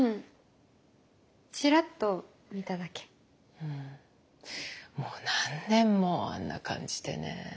うんもう何年もあんな感じでね。